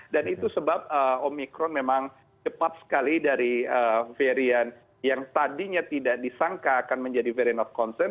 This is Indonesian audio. dan itu sebab omikron memang cepat sekali dari variant yang tadinya tidak disangka akan menjadi variant of concern